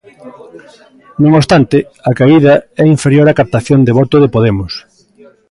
Non obstante, a caída é inferior á captación de voto de Podemos.